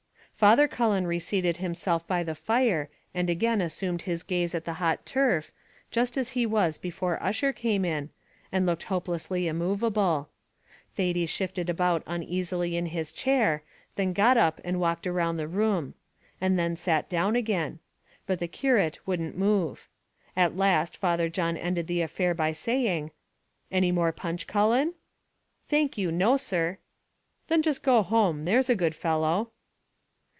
Father Cullen reseated himself by the fire, and again assumed his gaze at the hot turf, just as he was before Ussher came in, and looked hopelessly immovable. Thady shifted about uneasily in his chair, then got up and walked round the room, and then sat down again; but the curate wouldn't move. At last Father John ended the affair by saying, "Any more punch, Cullen?" "Thank you, no, Sir." "Then just go home, there's a good fellow."